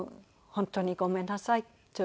「本当にごめんなさい」